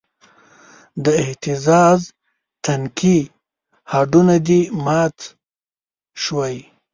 د اهتزاز تنکي هډونه دې مات شوی